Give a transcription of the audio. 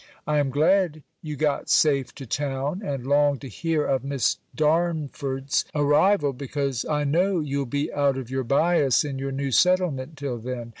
I am glad you got safe to town: and long to hear of Miss Darnford's arrival, because I know you'll be out of your bias in your new settlement till then.